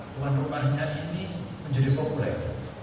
tuhan rupanya ini menjadi populer